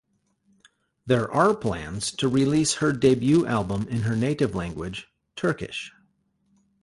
There are plans to release her debut album in her native language, Turkish.